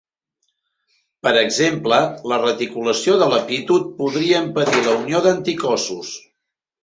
Per exemple, la reticulació a l'epítop podria impedir la unió d'anticossos.